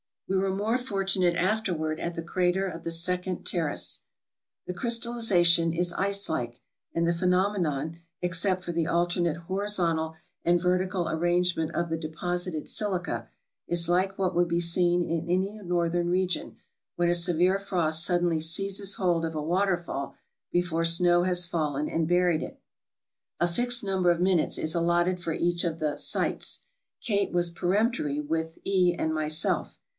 We were more fortunate afterward at the crater of the second Terrace. The crystallization is ice like, and the phenomenon, ex cept for the alternate horizontal and vertical arrangement of the deposited silica, is like what would be seen in any north ern region when a severe frost suddenly seizes hold of a waterfall before snow has fallen and buried it. A fixed number of minutes is allotted for each of the "sights." Kate was peremptory with E and myself.